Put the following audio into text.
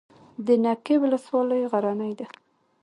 د نکې ولسوالۍ غرنۍ ده